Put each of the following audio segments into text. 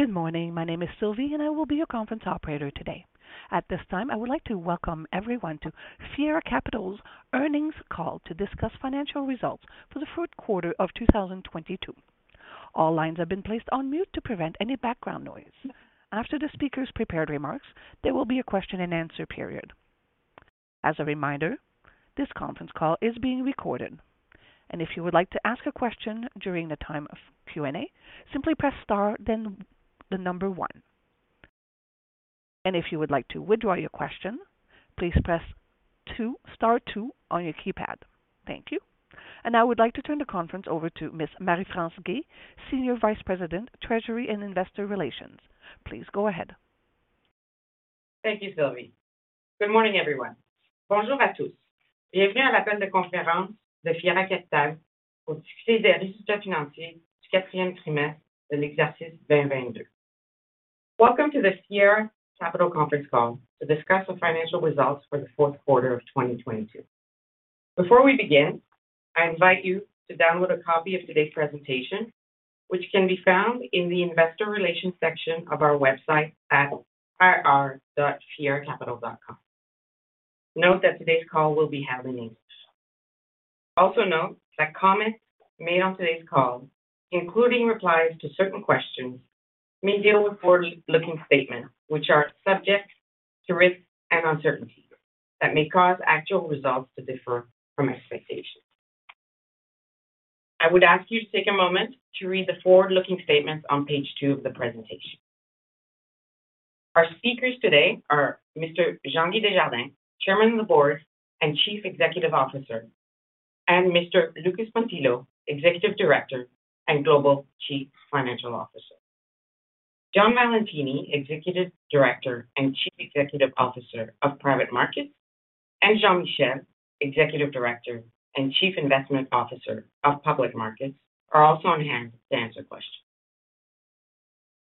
Good morning. My name is Sylvie. I will be your conference operator today. At this time, I would like to welcome everyone to Fiera Capital's earnings call to discuss financial results for the fourth quarter of 2022. All lines have been placed on mute to prevent any background noise. After the speakers' prepared remarks, there will be a Q&A period. As a reminder, this conference call is being recorded. If you would like to ask a question during the time of Q&A, simply press star one. If you would like to withdraw your question, please press two, star two on your keypad. Thank you. Now I would like to turn the conference over to Ms. Marie-France Guay, Senior Vice President, Treasury and Investor Relations. Please go ahead. Thank you, Sylvie. Good morning, everyone. Bonjour à tous. Bienvenue à l'appel de conférence de Fiera Capital pour discuter des résultats financiers du quatrième trimestre de l'exercice 2022. Welcome to the Fiera Capital conference call to discuss the financial results for the fourth quarter of 2022. Before we begin, I invite you to download a copy of today's presentation, which can be found in the investor relations section of our website at ir.fieracapital.com. Note that today's call will be held in English. Also note that comments made on today's call, including replies to certain questions, may deal with forward-looking statements which are subject to risks and uncertainties that may cause actual results to differ from expectations. I would ask you to take a moment to read the forward-looking statements on page two of the presentation. Our speakers today are Mr. Jean-Guy Desjardins, Chairman of the Board and Chief Executive Officer, and Mr. Lucas Pontillo, Executive Director and Global Chief Financial Officer. John Valentini, Executive Director and Chief Executive Officer of Private Markets, and Jean Michel, Executive Director and Chief Investment Officer of Public Markets, are also on hand to answer questions.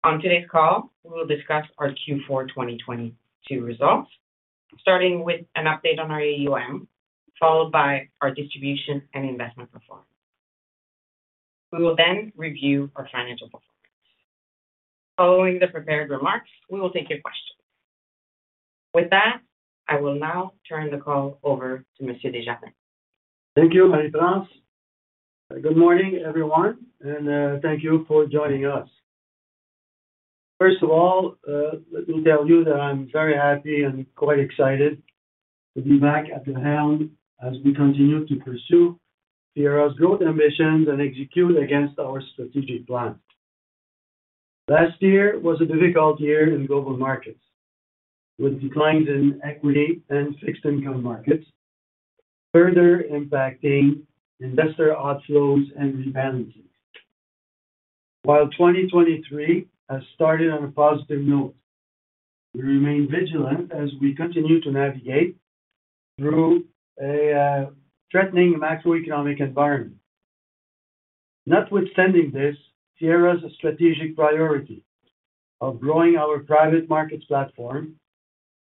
On today's call, we will discuss our Q4 2022 results, starting with an update on our AUM, followed by our distribution and investment performance. We will review our financial performance. Following the prepared remarks, we will take your questions. With that, I will now turn the call over to Monsieur Desjardins. Thank you, Marie-France. Good morning, everyone, and thank you for joining us. First of all, let me tell you that I'm very happy and quite excited to be back at the helm as we continue to pursue Fiera's growth ambitions and execute against our strategic plan. Last year was a difficult year in global markets, with declines in equity and fixed income markets further impacting investor outflows and rebalancing. While 2023 has started on a positive note, we remain vigilant as we continue to navigate through a threatening macroeconomic environment. Notwithstanding this, Fiera's strategic priority of growing our private markets platform,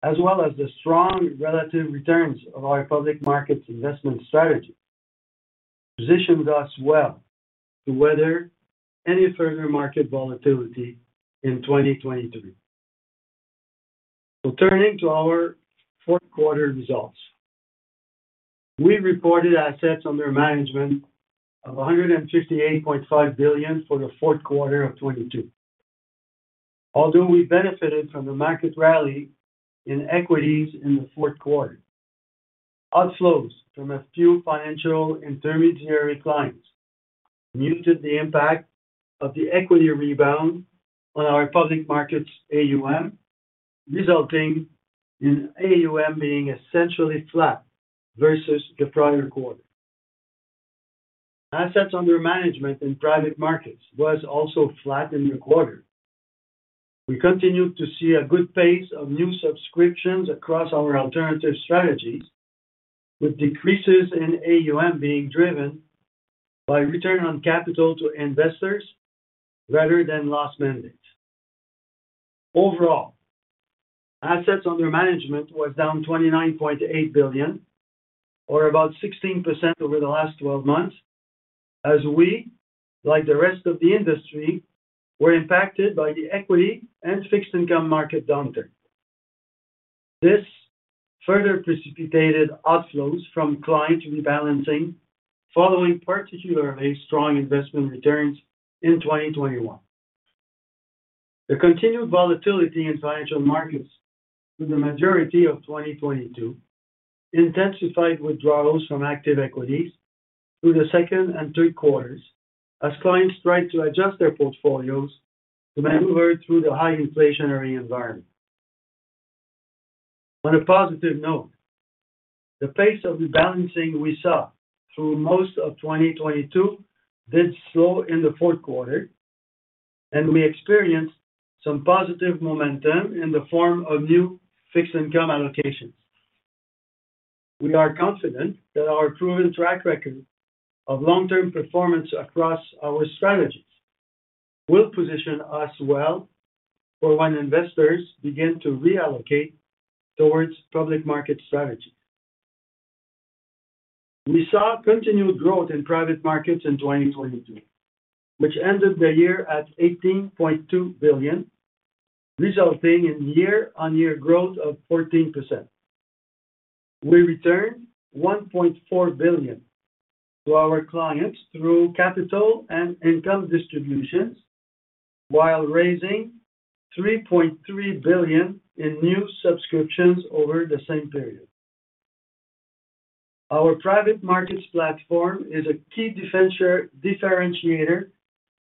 as well as the strong relative returns of our public markets investment strategy, positions us well to weather any further market volatility in 2023. Turning to our fourth quarter results. We reported assets under management of 158.5 billion for the fourth quarter of 2022. Although we benefited from the market rally in equities in the fourth quarter, outflows from a few financial intermediary clients muted the impact of the equity rebound on our public markets AUM, resulting in AUM being essentially flat versus the prior quarter. Assets under management in private markets was also flat in the quarter. We continued to see a good pace of new subscriptions across our alternative strategies, with decreases in AUM being driven by return on capital to investors rather than lost mandates. Overall, assets under management was down 29.8 billion, or about 16% over the last twelve months, as we, like the rest of the industry, were impacted by the equity and fixed income market downturn. This further precipitated outflows from client rebalancing following particularly strong investment returns in 2021. The continued volatility in financial markets through the majority of 2022 intensified withdrawals from active equities through the second and third quarters as clients tried to adjust their portfolios to maneuver through the high inflationary environment. On a positive note, the pace of rebalancing we saw through most of 2022 did slow in the fourth quarter, and we experienced some positive momentum in the form of new fixed income allocations. We are confident that our proven track record of long-term performance across our strategies will position us well for when investors begin to reallocate towards public market strategy. We saw continued growth in private markets in 2022, which ended the year at 18.2 billion, resulting in year-over-year growth of 14%. We returned 1.4 billion to our clients through capital and income distributions while raising 3.3 billion in new subscriptions over the same period. Our private markets platform is a key differentiator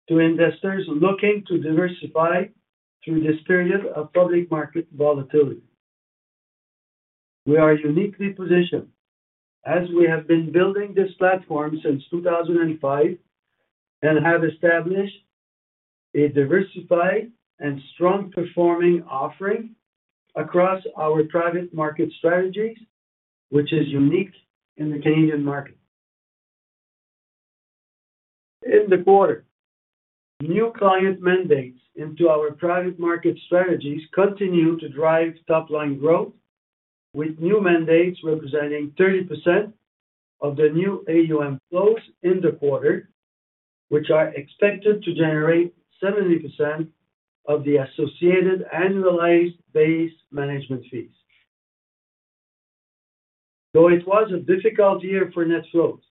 to investors looking to diversify through this period of public market volatility. We are uniquely positioned as we have been building this platform since 2005 and have established a diversified and strong performing offering across our private market strategies, which is unique in the Canadian market. In the quarter, new client mandates into our private market strategies continued to drive top-line growth, with new mandates representing 30% of the new AUM flows in the quarter, which are expected to generate 70% of the associated annualized base management fees. Though it was a difficult year for net flows,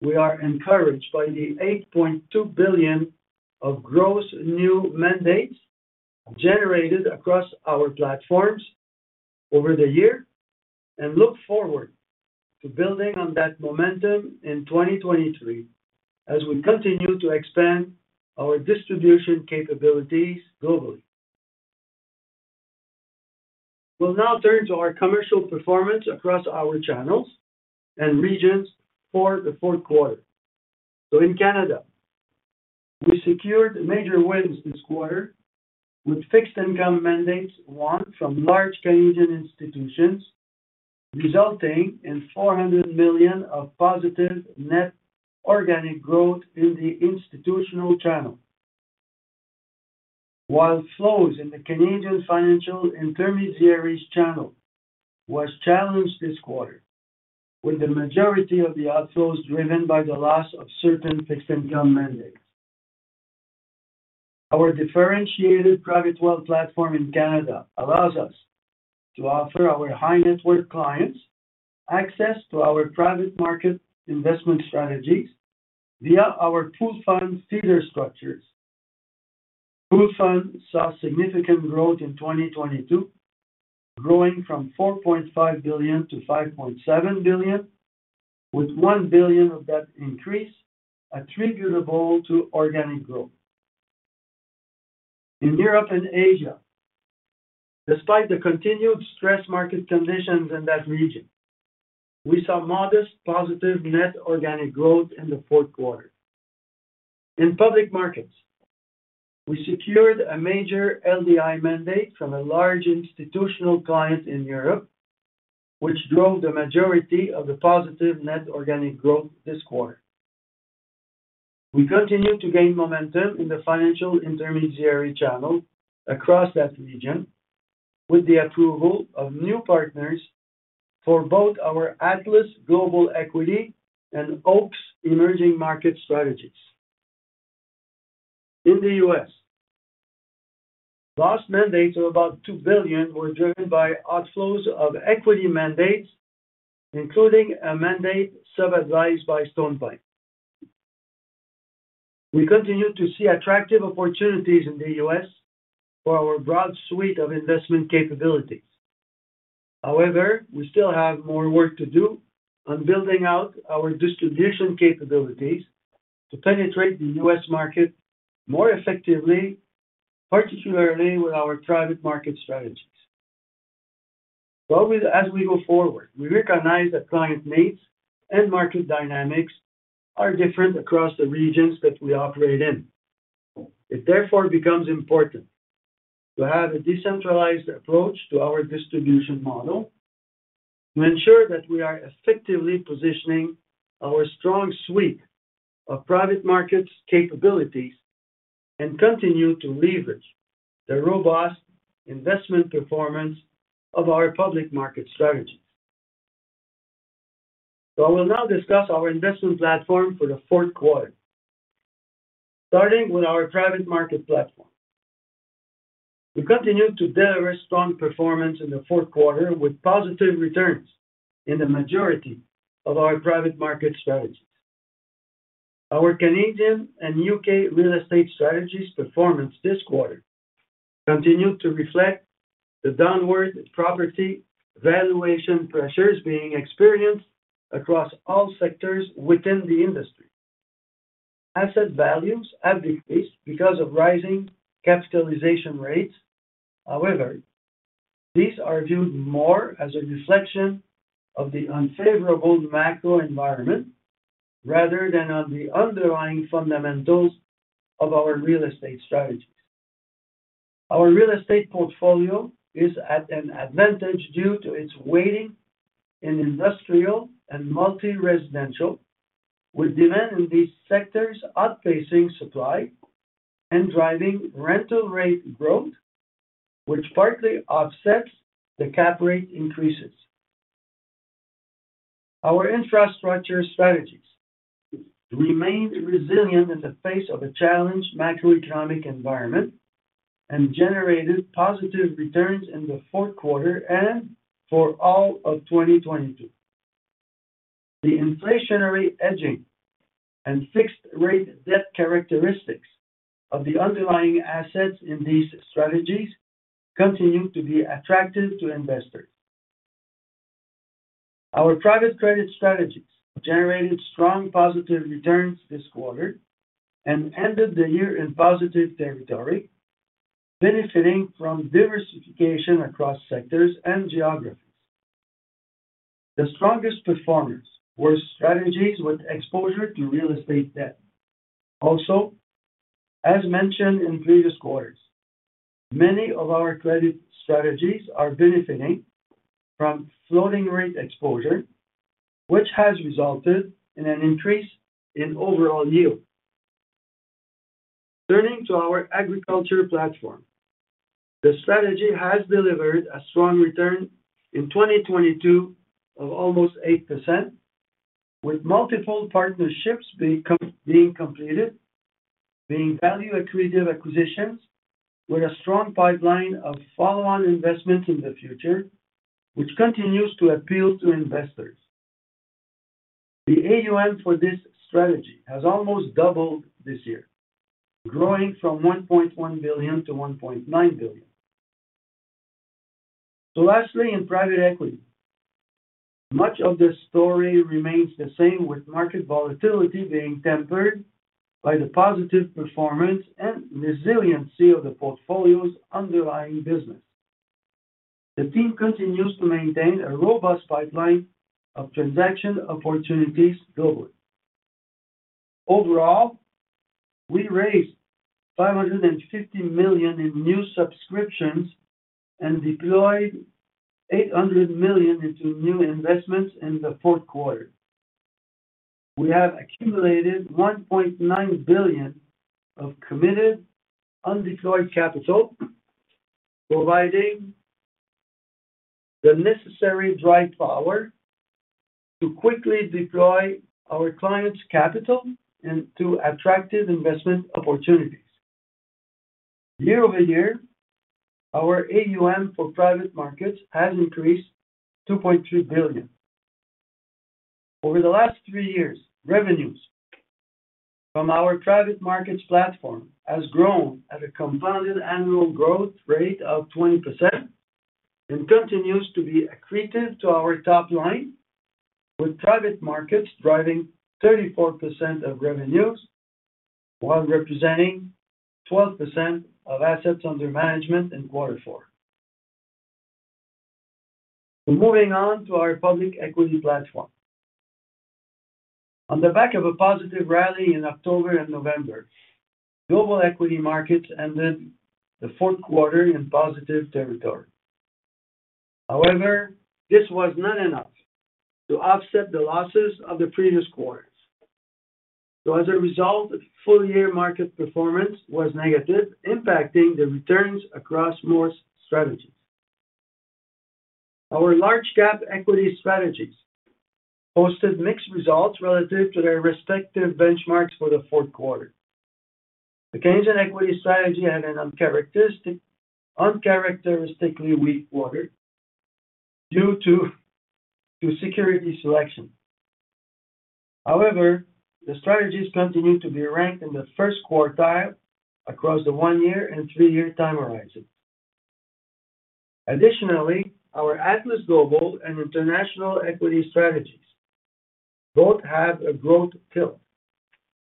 we are encouraged by the 8.2 billion of gross new mandates generated across our platforms over the year and look forward to building on that momentum in 2023 as we continue to expand our distribution capabilities globally. We'll now turn to our commercial performance across our channels and regions for the fourth quarter. In Canada, we secured major wins this quarter with fixed income mandates won from large Canadian institutions, resulting in 400 million of positive net organic growth in the institutional channel. While flows in the Canadian financial intermediaries channel was challenged this quarter, with the majority of the outflows driven by the loss of certain fixed income mandates. Our differentiated private wealth platform in Canada allows us to offer our high-net-worth clients access to our private market investment strategies via our pooled fund feeder structures. Pooled funds saw significant growth in 2022, growing from 4.5 billion to 5.7 billion, with 1 billion of that increase attributable to organic growth. In Europe and Asia, despite the continued stress market conditions in that region, we saw modest positive net organic growth in the fourth quarter. In public markets, we secured a major LDI mandate from a large institutional client in Europe, which drove the majority of the positive net organic growth this quarter. We continue to gain momentum in the financial intermediary channel across that region with the approval of new partners for both our Atlas Global Companies and OAKS emerging market strategies. In the U.S., lost mandates of about 2 billion were driven by outflows of equity mandates, including a mandate sub-advised by StonePine. We continue to see attractive opportunities in the U.S. for our broad suite of investment capabilities. However, we still have more work to do on building out our distribution capabilities to penetrate the U.S. market more effectively, particularly with our private market strategies. As we go forward, we recognize that client needs and market dynamics are different across the regions that we operate in. It therefore becomes important to have a decentralized approach to our distribution model to ensure that we are effectively positioning our strong suite of private markets capabilities and continue to leverage the robust investment performance of our public market strategies. I will now discuss our investment platform for the fourth quarter. Starting with our private market platform. We continued to deliver strong performance in the fourth quarter with positive returns in the majority of our private market strategies. Our Canadian and U.K. real estate strategies performance this quarter continued to reflect the downward property valuation pressures being experienced across all sectors within the industry. Asset values have decreased because of rising capitalization rates. These are viewed more as a reflection of the unfavorable macro environment rather than on the underlying fundamentals of our real estate strategies. Our real estate portfolio is at an advantage due to its weighting in industrial and multi-residential, with demand in these sectors outpacing supply and driving rental rate growth, which partly offsets the cap rate increases. Our infrastructure strategies remained resilient in the face of a challenged macroeconomic environment and generated positive returns in the fourth quarter and for all of 2022. The inflationary hedging and fixed rate debt characteristics of the underlying assets in these strategies continue to be attractive to investors. Our private credit strategies generated strong positive returns this quarter and ended the year in positive territory, benefiting from diversification across sectors and geographies. The strongest performers were strategies with exposure to real estate debt. As mentioned in previous quarters, many of our credit strategies are benefiting from floating rate exposure, which has resulted in an increase in overall yield. Turning to our agriculture platform. The strategy has delivered a strong return in 2022 of almost 8%, with multiple partnerships being completed, being value accretive acquisitions with a strong pipeline of follow-on investment in the future, which continues to appeal to investors. The AUM for this strategy has almost doubled this year, growing from 1.1 billion to 1.9 billion. Lastly, in private equity. Much of the story remains the same, with market volatility being tempered by the positive performance and resiliency of the portfolio's underlying business. The team continues to maintain a robust pipeline of transaction opportunities globally. Overall, we raised 550 million in new subscriptions and deployed 800 million into new investments in the fourth quarter. We have accumulated 1.9 billion of committed undeployed capital, providing the necessary dry power to quickly deploy our clients' capital into attractive investment opportunities. Year-over-year, our AUM for private markets has increased 2.3 billion. Over the last three years, revenues from our private markets platform has grown at a compounded annual growth rate of 20% and continues to be accretive to our top line, with private markets driving 34% of revenues, while representing 12% of AUM in Q4. Moving on to our public equity platform. On the back of a positive rally in October and November, global equity markets ended the fourth quarter in positive territory. However, this was not enough to offset the losses of the previous quarters. As a result, full year market performance was negative, impacting the returns across most strategies. Our large cap equity strategies posted mixed results relative to their respective benchmarks for the fourth quarter. The Canadian equity strategy had an uncharacteristically weak quarter due to security selection. However, the strategies continue to be ranked in the first quartile across the one-year and three-year time horizon. Additionally, our Atlas Global and international equity strategies both have a growth tilt,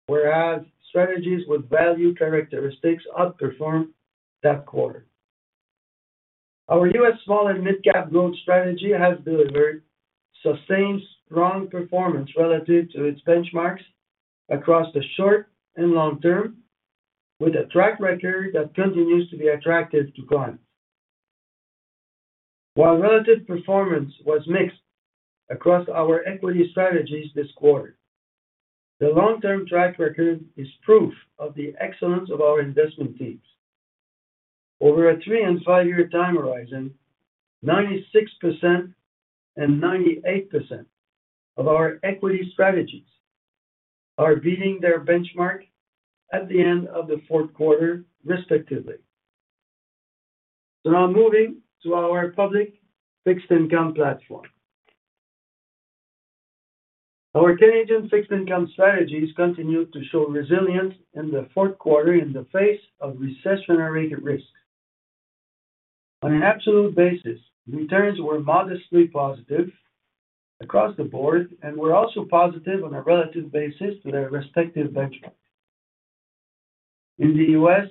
whereas strategies with value characteristics outperformed that quarter. Our U.S. small and mid-cap growth strategy has delivered sustained strong performance relative to its benchmarks across the short and long term, with a track record that continues to be attractive to clients. While relative performance was mixed across our equity strategies this quarter, the long-term track record is proof of the excellence of our investment teams. Over a three and five-year time horizon, 96% and 98% of our equity strategies are beating their benchmark at the end of the fourth quarter, respectively. Now moving to our public fixed income platform. Our Canadian fixed income strategies continued to show resilience in the fourth quarter in the face of recessionary risk. On an absolute basis, returns were modestly positive across the board and were also positive on a relative basis to their respective benchmark. In the U.S.,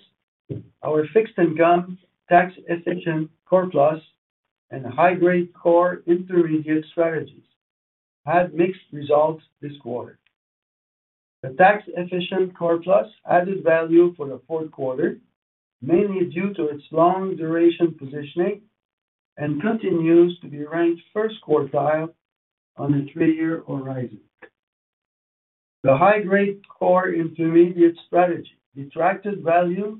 our fixed income tax efficient core plus and High Grade Core Intermediate strategies had mixed results this quarter. The tax efficient core plus added value for the fourth quarter, mainly due to its long duration positioning, and continues to be ranked first quartile on a three-year horizon. The High Grade Core Intermediate strategy detracted value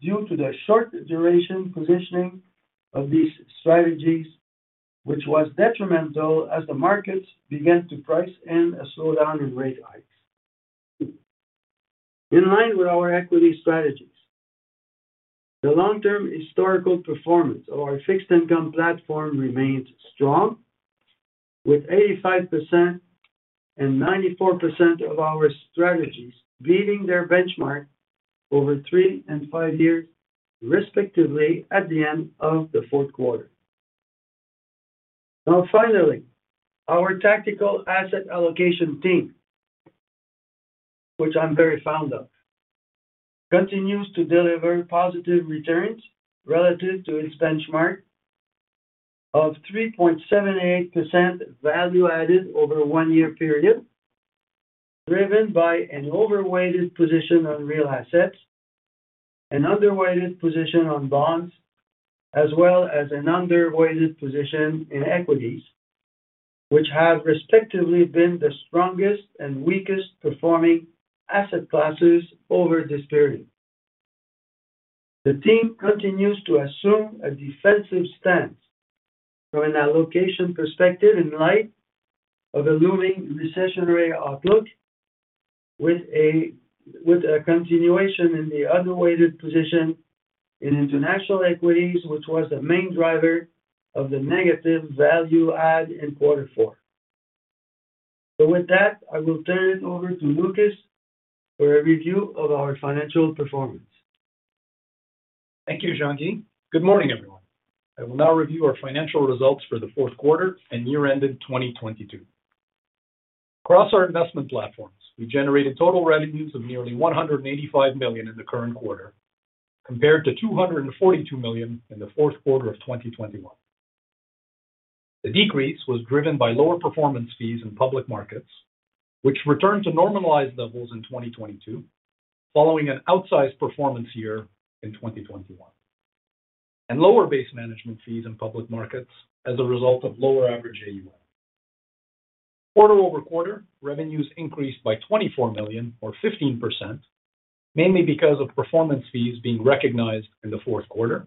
due to the short duration positioning of these strategies, which was detrimental as the markets began to price in a slowdown in rate hikes. In line with our equity strategies, the long-term historical performance of our fixed income platform remains strong, with 85% and 94% of our strategies beating their benchmark over three and five years, respectively, at the end of the fourth quarter. Finally, our tactical asset allocation team, which I'm very fond of, continues to deliver positive returns relative to its benchmark of 3.78% value-added over a one-year period, driven by an overweighted position on real assets, an underweighted position on bonds, as well as an underweighted position in equities, which have respectively been the strongest and weakest performing asset classes over this period. The team continues to assume a defensive stance from an allocation perspective in light of the looming recessionary outlook with a continuation in the overweighted position in international equities, which was the main driver of the negative value add in quarter four. With that, I will turn it over to Lucas for a review of our financial performance. Thank you, Jean-Guy. Good morning, everyone. I will now review our financial results for the fourth quarter and year-ended 2022. Across our investment platforms, we generated total revenues of nearly 185 million in the current quarter, compared to 242 million in the fourth quarter of 2021. The decrease was driven by lower performance fees in public markets, which returned to normalized levels in 2022, following an outsized performance year in 2021. Lower base management fees in public markets as a result of lower average AUM. Quarter-over-quarter, revenues increased by 24 million or 15%, mainly because of performance fees being recognized in the fourth quarter.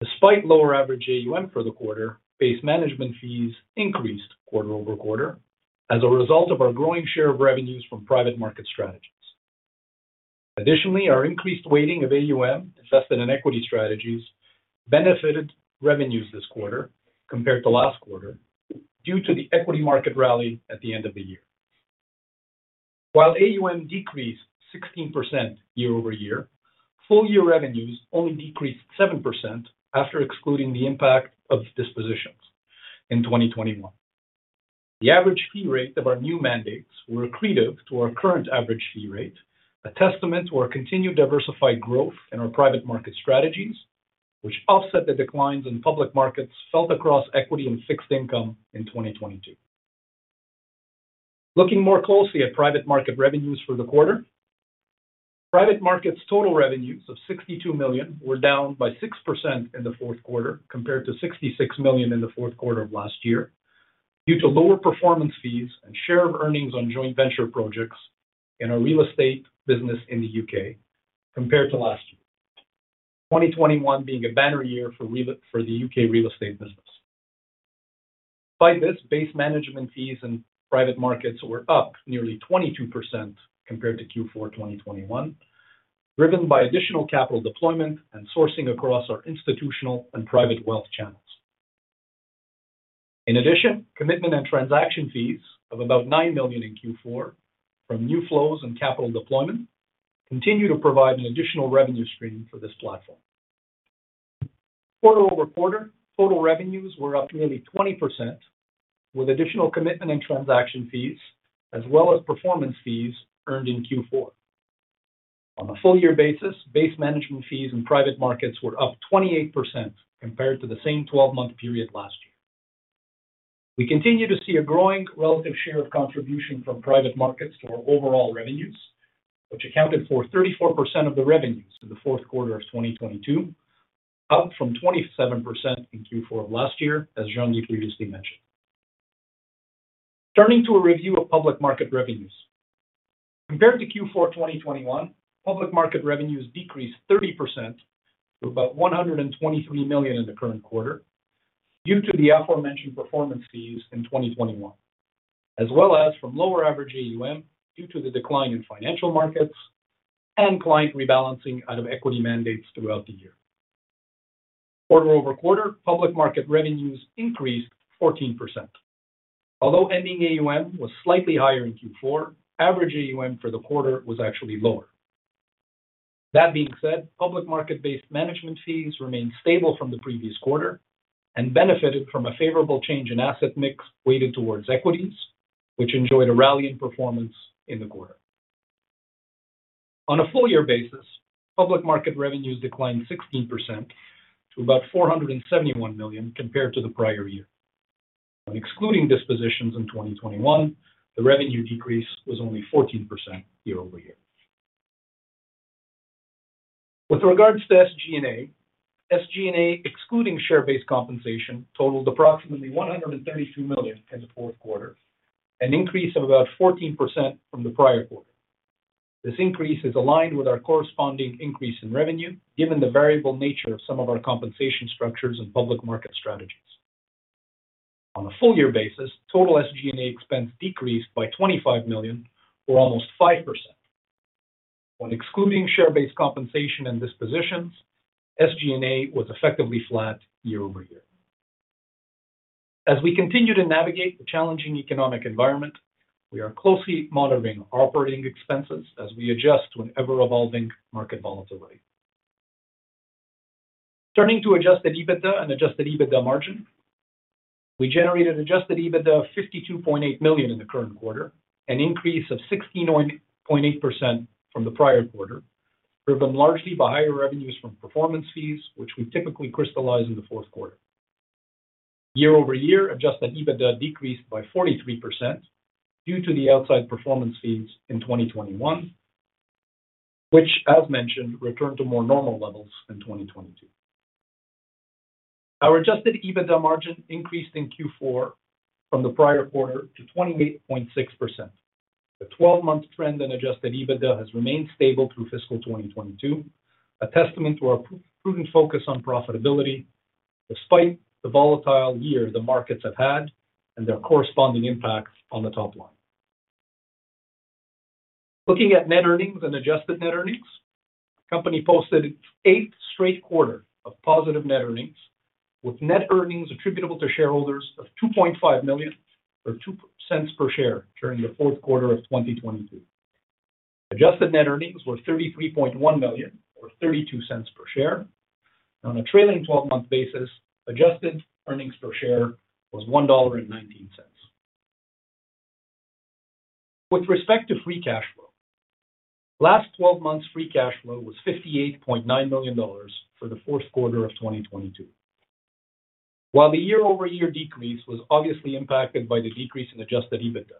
Despite lower average AUM for the quarter, base management fees increased quarter-over-quarter as a result of our growing share of revenues from private market strategies. Additionally, our increased weighting of AUM invested in equity strategies benefited revenues this quarter compared to last quarter due to the equity market rally at the end of the year. While AUM decreased 16% year-over-year, full-year revenues only decreased 7% after excluding the impact of dispositions in 2021. The average fee rate of our new mandates were accretive to our current average fee rate, a testament to our continued diversified growth in our private market strategies, which offset the declines in public markets felt across equity and fixed income in 2022. Looking more closely at private market revenues for the quarter. Private markets total revenues of 62 million were down by 6% in the fourth quarter compared to 66 million in the fourth quarter of last year, due to lower performance fees and share of earnings on joint venture projects in our real estate business in the U.K. compared to last year. 2021 being a banner year for the U.K. real estate business. Despite this, base management fees in private markets were up nearly 22% compared to Q4 2021, driven by additional capital deployment and sourcing across our institutional and private wealth channels. In addition, commitment and transaction fees of about 9 million in Q4 from new flows and capital deployment continue to provide an additional revenue stream for this platform. Quarter-over-quarter, total revenues were up nearly 20%, with additional commitment and transaction fees, as well as performance fees earned in Q4. On a full-year basis, base management fees in private markets were up 28% compared to the same 12-month period last year. We continue to see a growing relative share of contribution from private markets to our overall revenues, which accounted for 34% of the revenues in the fourth quarter of 2022, up from 27% in Q4 of last year, as Jean-Guy previously mentioned. Turning to a review of public market revenues. Compared to Q4 2021, public market revenues decreased 30% to about 123 million in the current quarter due to the aforementioned performance fees in 2021, as well as from lower average AUM due to the decline in financial markets and client rebalancing out of equity mandates throughout the year. Quarter-over-quarter, public market revenues increased 14%. Although ending AUM was slightly higher in Q4, average AUM for the quarter was actually lower. That being said, public market-based management fees remained stable from the previous quarter and benefited from a favorable change in asset mix weighted towards equities, which enjoyed a rally in performance in the quarter. On a full-year basis, public market revenues declined 16% to about 471 million compared to the prior year. Excluding dispositions in 2021, the revenue decrease was only 14% year-over-year. With regards to SG&A, SG&A excluding share-based compensation totaled approximately 132 million in the Q4, an increase of about 14% from the prior quarter. This increase is aligned with our corresponding increase in revenue, given the variable nature of some of our compensation structures and public market strategies. On a full year basis, total SG&A expense decreased by 25 million, or almost 5%. When excluding share-based compensation and dispositions, SG&A was effectively flat year-over-year. As we continue to navigate the challenging economic environment, we are closely monitoring operating expenses as we adjust to an ever-evolving market volatility. Turning to adjusted EBITDA and adjusted EBITDA margin. We generated adjusted EBITDA of 52.8 million in the current quarter, an increase of 16.8% from the prior quarter, driven largely by higher revenues from performance fees, which we typically crystallize in the fourth quarter. Year-over-year, adjusted EBITDA decreased by 43% due to the outside performance fees in 2021, which as mentioned, returned to more normal levels in 2022. Our adjusted EBITDA margin increased in Q4 from the prior quarter to 28.6%. The 12-month trend in adjusted EBITDA has remained stable through fiscal 2022, a testament to our prudent focus on profitability despite the volatile year the markets have had and their corresponding impact on the top line. Looking at net earnings and adjusted net earnings. Company posted its eighth straight quarter of positive net earnings, with net earnings attributable to shareholders of 2.5 million or 0.02 per share during the fourth quarter of 2022. Adjusted net earnings were 33.1 million or 0.32 per share. On a trailing twelve-month basis, adjusted earnings per share was 1.19 dollar. With respect to free cash flow. Last twelve months free cash flow was 58.9 million dollars for the fourth quarter of 2022. While the year-over-year decrease was obviously impacted by the decrease in adjusted EBITDA,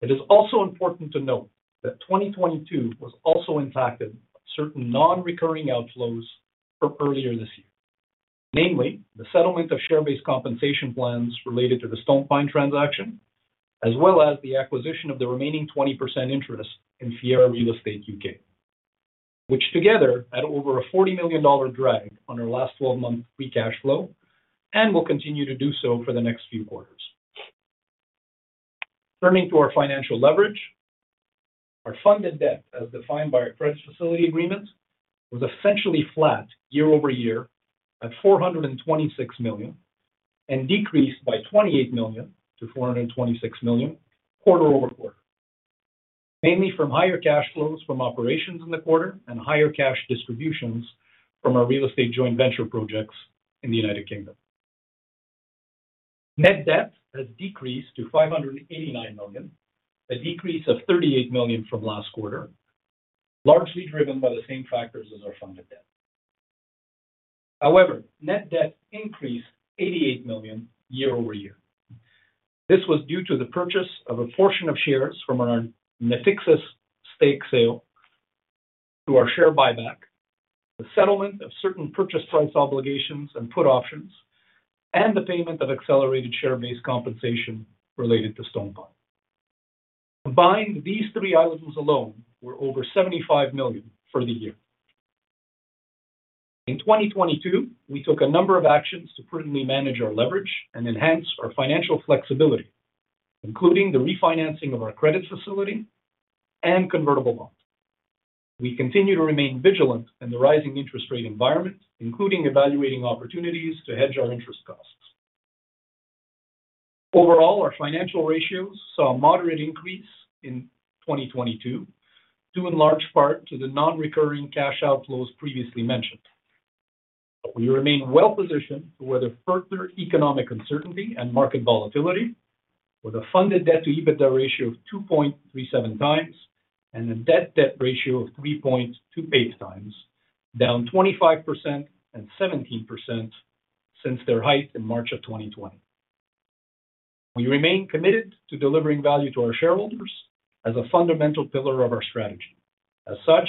it is also important to note that 2022 was also impacted by certain non-recurring outflows from earlier this year. Namely, the settlement of share-based compensation plans related to the StonePine transaction, as well as the acquisition of the remaining 20% interest in Fiera Real Estate UK, which together had over a 40 million dollar drag on our last twelve months free cash flow and will continue to do so for the next few quarters. Turning to our financial leverage. Our funded debt as defined by our credit facility agreement was essentially flat year-over-year at 426 million and decreased by 28 million to 426 million quarter-over-quarter, mainly from higher cash flows from operations in the quarter and higher cash distributions from our real estate joint venture projects in the United Kingdom. Net debt has decreased to 589 million, a decrease of 38 million from last quarter, largely driven by the same factors as our funded debt. However, net debt increased 88 million year-over-year. This was due to the purchase of a portion of shares from our Natixis stake sale to our share buyback, the settlement of certain purchase price obligations and put options, and the payment of accelerated share-based compensation related to StonePine. Combined, these three items alone were over 75 million for the year. In 2022, we took a number of actions to prudently manage our leverage and enhance our financial flexibility, including the refinancing of our credit facility and convertible bonds. We continue to remain vigilant in the rising interest rate environment, including evaluating opportunities to hedge our interest costs. Overall, our financial ratios saw a moderate increase in 2022, due in large part to the non-recurring cash outflows previously mentioned. We remain well-positioned to weather further economic uncertainty and market volatility with a funded debt-to-EBITDA ratio of 2.37x and a debt-debt ratio of 3.28x, down 25% and 17% since their height in March of 2020. We remain committed to delivering value to our shareholders as a fundamental pillar of our strategy. As such,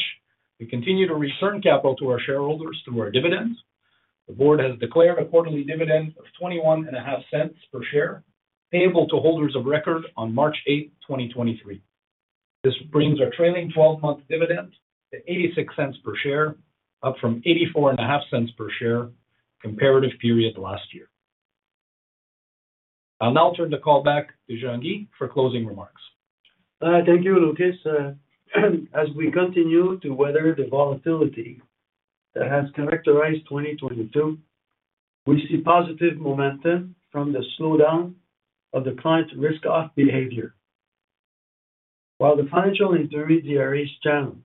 we continue to return capital to our shareholders through our dividends. The board has declared a quarterly dividend of 0.215 per share, payable to holders of record on March 8th, 2023. This brings our trailing twelve-month dividend to 0.86 per share, up from 0.845 per share comparative period last year. I'll now turn the call back to Jean-Guy for closing remarks. Thank you, Lucas. As we continue to weather the volatility that has characterized 2022, we see positive momentum from the slowdown of the client's risk off behavior. While the financial intermediaries channel,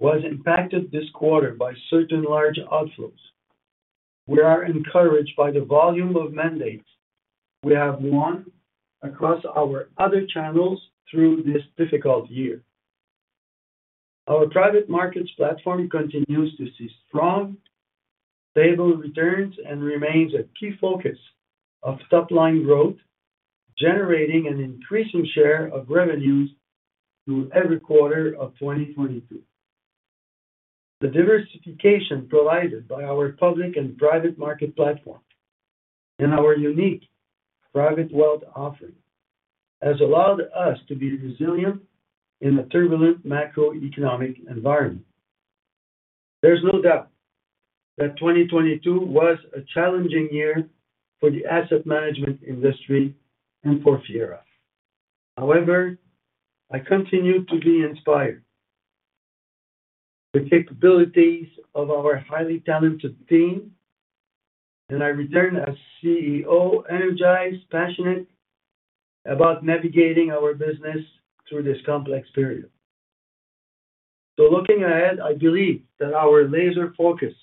was impacted this quarter by certain large outflows, we are encouraged by the volume of mandates we have won across our other channels through this difficult year. Our private markets platform continues to see strong returns and remains a key focus of top-line growth, generating an increasing share of revenues through every quarter of 2022. The diversification provided by our public and private market platform and our unique private wealth offering has allowed us to be resilient in a turbulent macroeconomic environment. There's no doubt that 2022 was a challenging year for the asset management industry and for Fiera. I continue to be inspired. The capabilities of our highly talented team and I return as CEO energized, passionate about navigating our business through this complex period. Looking ahead, I believe that our laser focus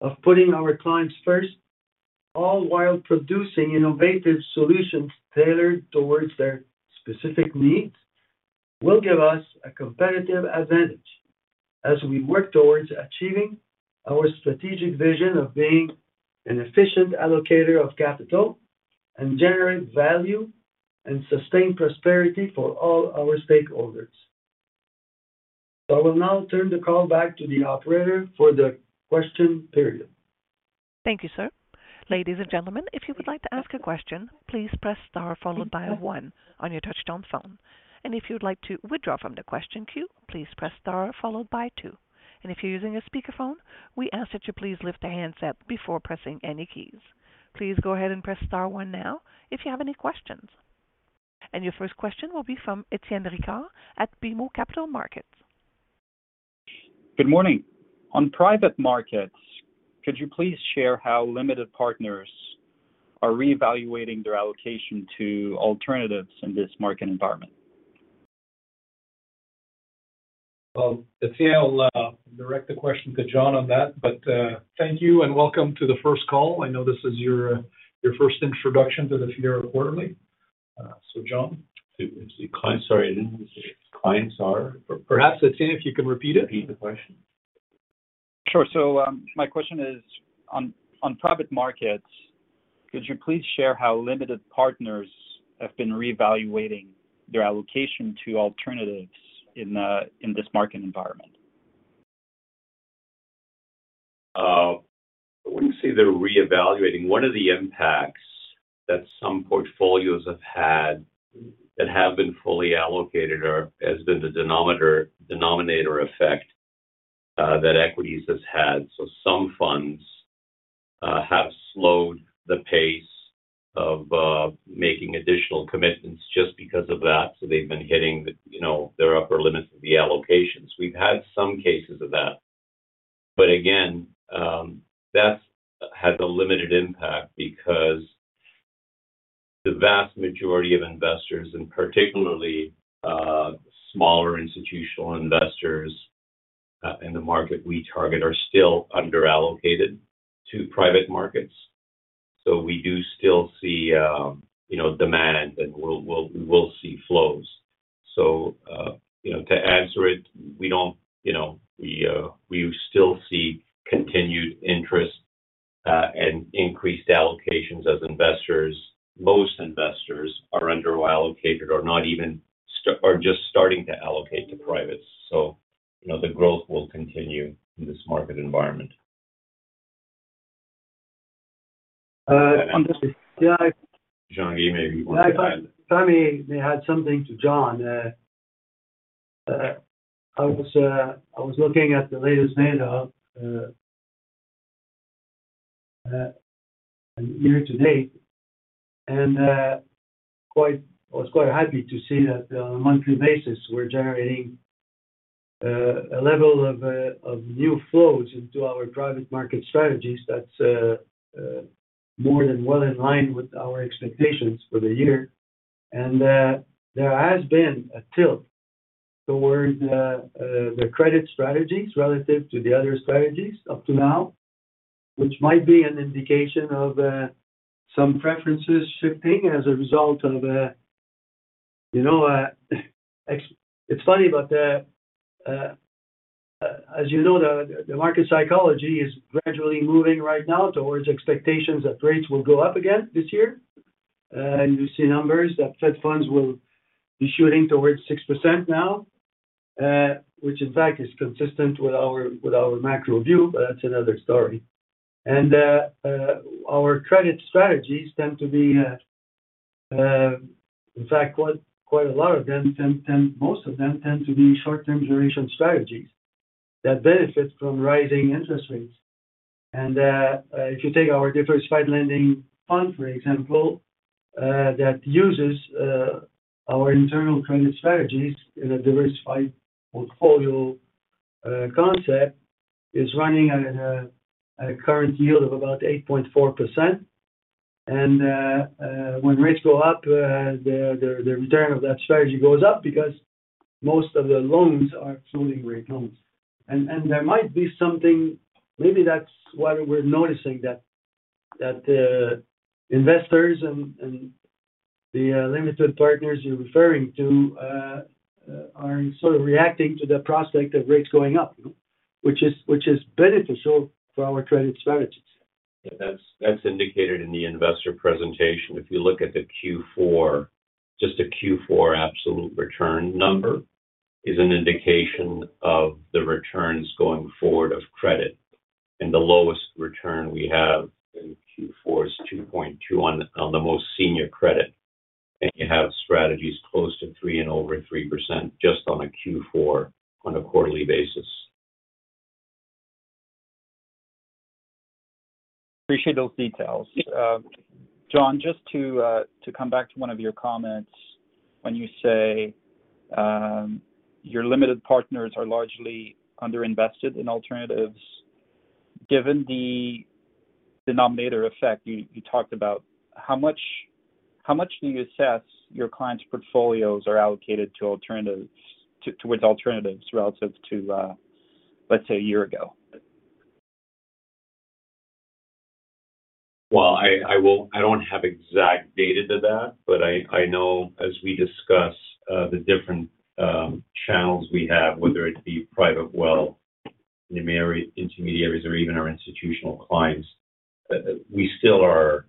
of putting our clients first, all while producing innovative solutions tailored towards their specific needs, will give us a competitive advantage as we work towards achieving our strategic vision of being an efficient allocator of capital and generate value and sustain prosperity for all our stakeholders. I will now turn the call back to the operator for the question period. Thank you, sir. Ladies and gentlemen, if you would like to ask a question, please press star followed by one on your touchtone phone. If you'd like to withdraw from the question queue, please press star followed by two. If you're using a speakerphone, we ask that you please lift the handset before pressing any keys. Please go ahead and press star one now if you have any questions. Your first question will be from Étienne Ricard at BMO Capital Markets. Good morning. On private markets, could you please share how limited partners are reevaluating their allocation to alternatives in this market environment? Well, Étienne, I'll direct the question to John on that. Thank you and welcome to the first call. I know this is your first introduction to the Fiera quarterly. John. Client, sorry. Clients are? Perhaps, Étienne, if you can repeat it. Repeat the question. Sure. My question is on private markets, could you please share how limited partners have been reevaluating their allocation to alternatives in this market environment? When you say they're reevaluating, one of the impacts that some portfolios have had that have been fully allocated or has been the denominator effect that equities has had. Some funds have slowed the pace of making additional commitments just because of that. They've been hitting the, you know, their upper limits of the allocations. We've had some cases of that. Again, that's had a limited impact because the vast majority of investors, and particularly smaller institutional investors in the market we target are still under-allocated to private markets. We do still see, you know, demand and we will see flows. You know, to answer it, we don't, you know. We still see continued interest and increased allocations as investors. Most investors are under-allocated or not even just starting to allocate to privates. You know, the growth will continue in this market environment. Jean-Guy, maybe you want to add. If I may add something to John. I was looking at the latest data year to date, and I was quite happy to see that on a monthly basis, we're generating a level of new flows into our private market strategies that's more than well in line with our expectations for the year. There has been a tilt towards the credit strategies relative to the other strategies up to now, which might be an indication of some preferences shifting as a result of, you know. It's funny, as you know, the market psychology is gradually moving right now towards expectations that rates will go up again this year. You see numbers that fed funds will be shooting towards 6% now, which in fact is consistent with our macro view. That's another story. Our credit strategies tend to be. In fact, quite a lot of them tend. Most of them tend to be short-term duration strategies that benefit from rising interest rates. If you take our Fiera Diversified Lending Fund, for example, that uses our internal credit strategies in a diversified portfolio concept, is running at a current yield of about 8.4%. When rates go up, the return of that strategy goes up because most of the loans are floating rate loans. There might be something. Maybe that's why we're noticing that investors and the limited partners you're referring to, are sort of reacting to the prospect of rates going up, which is beneficial for our credit strategies. That's indicated in the investor presentation. If you look at the Q4, just the Q4 absolute return number is an indication of the returns going forward of credit. The lowest return we have in Q4 is 2.2 on the most senior credit. You have strategies close to 3% and over 3% just on a Q4 on a quarterly basis. Appreciate those details. John, just to come back to one of your comments when you say, your limited partners are largely underinvested in alternatives. Given the denominator effect you talked about, how much do you assess your clients' portfolios are allocated to alternatives towards alternatives relative to, let's say, a year ago? I don't have exact data to that, but I know as we discuss the different channels we have, whether it be private wealth intermediaries or even our institutional clients, we still are,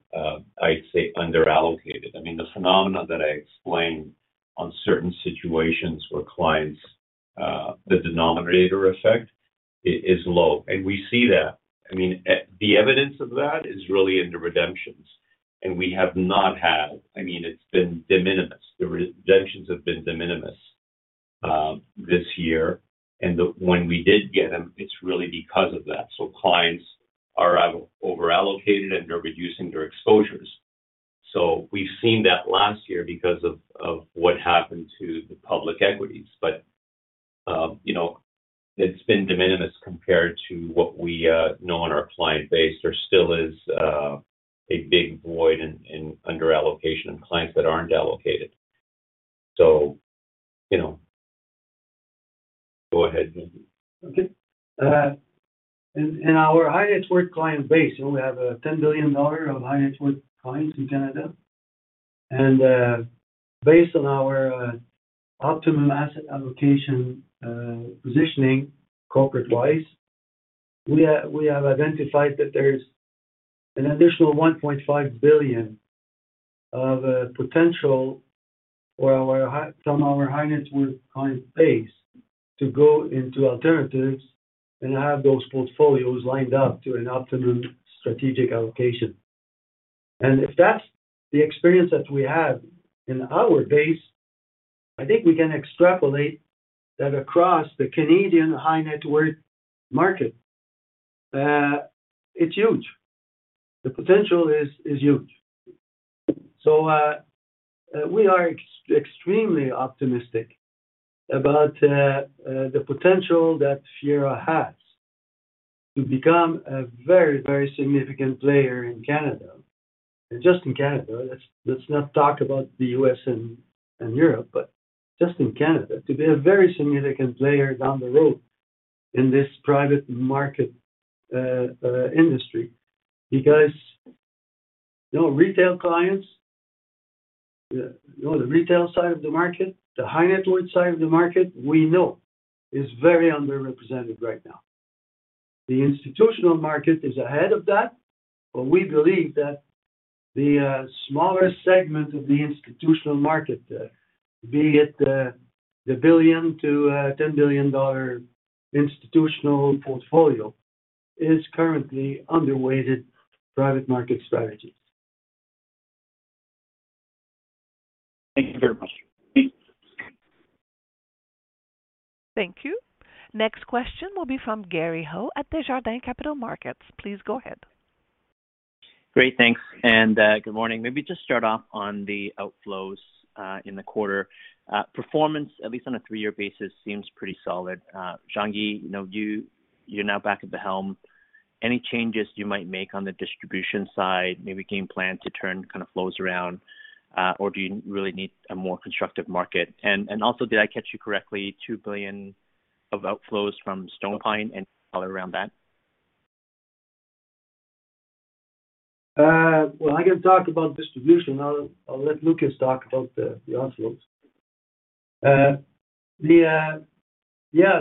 I'd say, underallocated. I mean, the phenomena that I explained on certain situations where clients, the denominator effect is low. We see that. I mean, the evidence of that is really in the redemptions. We have not had. I mean, it's been de minimis. The redemptions have been de minimis this year. When we did get them, it's really because of that. Clients are overallocated and they're reducing their exposures. We've seen that last year because of what happened to the public equities. You know, it's been de minimis compared to what we know in our client base. There still is a big void in underallocation of clients that aren't allocated. you know. Go ahead. In our high net worth client base, we have a 10 billion dollar of high net worth clients in Canada. Based on our optimum asset allocation positioning corporate-wise, we have identified that there's an additional 1.5 billion of potential from our high net worth client base to go into alternatives and have those portfolios lined up to an optimum strategic allocation. If that's the experience that we have in our base, I think we can extrapolate that across the Canadian high net worth market. It's huge. The potential is huge. We are extremely optimistic about the potential that Fiera has to become a very significant player in Canada. Just in Canada. Let's not talk about the U.S. and Europe, but just in Canada, to be a very significant player down the road in this private market industry. You know, retail clients, you know, the retail side of the market, the high net worth side of the market, we know is very underrepresented right now. The institutional market is ahead of that, but we believe that the smaller segment of the institutional market, be it the 1 billion-10 billion dollar institutional portfolio, is currently underweighted private market strategies. Thank you very much. Thank you. Next question will be from Gary Ho at Desjardins Capital Markets. Please go ahead. Great, thanks. Good morning. Maybe just start off on the outflows in the quarter. Performance, at least on a three-year basis, seems pretty solid. Jean-Guy, you know, you're now back at the helm. Any changes you might make on the distribution side? Maybe game plan to turn kind of flows around, or do you really need a more constructive market? Also, did I catch you correctly, 2 billion of outflows from StonePine and all around that? Well, I can talk about distribution. I'll let Lucas talk about the outflows.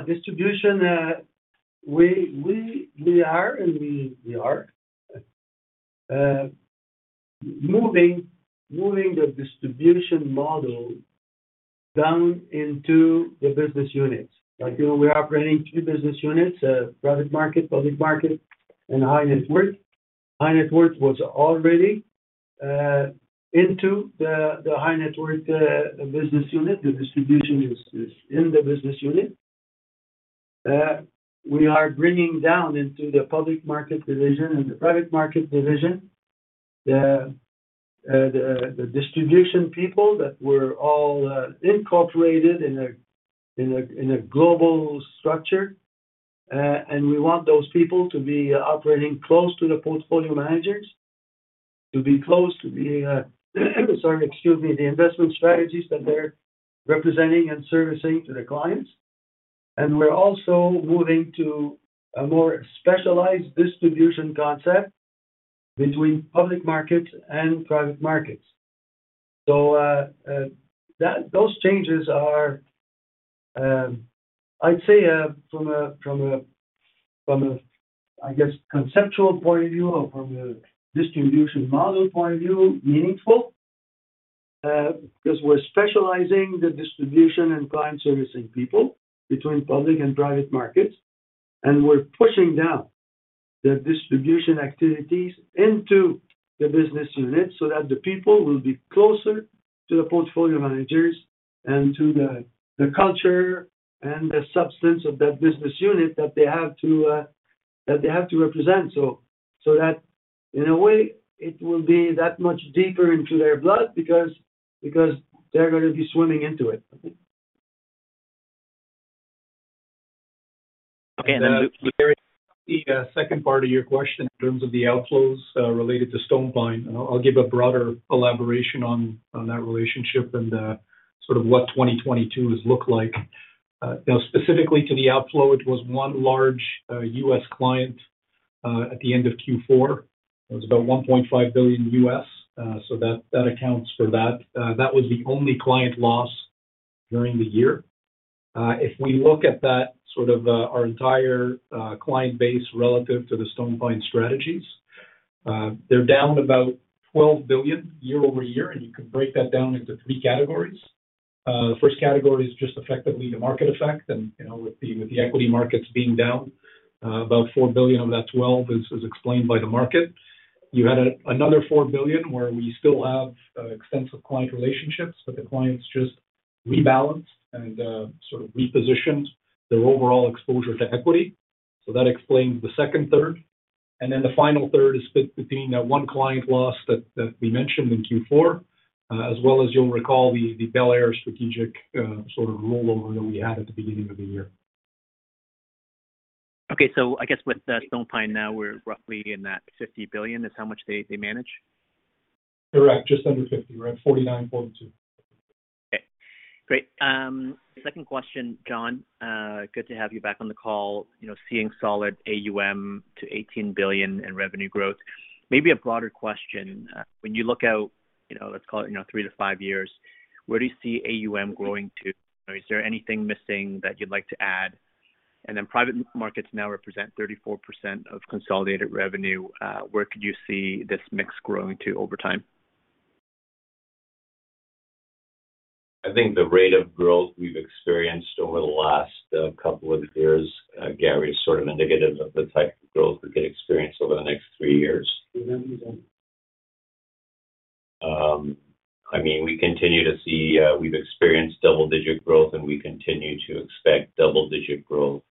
Distribution, we are moving the distribution model down into the business units. You know, we are operating three business units, private market, public market, and high net worth. High net worth was already into the high net worth business unit. The distribution is in the business unit. We are bringing down into the public market division and the private market division the distribution people that were all incorporated in a global structure. We want those people to be operating close to the portfolio managers, to be close to the, sorry, excuse me, the investment strategies that they're representing and servicing to the clients. We're also moving to a more specialized distribution concept between public markets and private markets. Those changes are, I'd say, from a, I guess, conceptual point of view or from a distribution model point of view, meaningful, because we're specializing the distribution and client servicing people between public and private markets. We're pushing down the distribution activities into the business unit so that the people will be closer to the portfolio managers and to the culture and the substance of that business unit that they have to, that they have to represent. So that in a way, it will be that much deeper into their blood because they're gonna be swimming into it. Okay. The second part of your question in terms of the outflows related to StonePine. I'll give a broader elaboration on that relationship and sort of what 2022 has looked like. Now specifically to the outflow, it was one large U.S. client at the end of Q4. It was about $1.5 billion U.S. So that accounts for that. That was the only client loss during the year. If we look at that sort of our entire client base relative to the StonePine strategies, they're down about 12 billion year-over-year, and you can break that down into three categories. The first category is just effectively the market effect. You know, with the equity markets being down, about 4 billion of that 12 billion is explained by the market. You had another 4 billion where we still have extensive client relationships, but the clients just rebalanced and sort of repositioned their overall exposure to equity. That explains the second third. The final third is split between that one client loss that we mentioned in Q4, as well as you'll recall, the Bel Air strategic sort of rollover that we had at the beginning of the year. Okay. I guess with StonePine now, we're roughly in that 50 billion is how much they manage. Correct. Just under 50 billion. We're at 49.2 billion. Okay. Great. Second question, John. Good to have you back on the call. You know, seeing solid AUM to 18 billion in revenue growth. Maybe a broader question. When you look out, you know, let's call it, you know, three-five years, where do you see AUM growing to? Is there anything missing that you'd like to add? Private markets now represent 34% of consolidated revenue. Where could you see this mix growing to over time? I think the rate of growth we've experienced over the last couple of years, Gary, is sort of indicative of the type of growth we could experience over the next three years. I mean, we continue to see, we've experienced double-digit growth, and we continue to expect double-digit growth,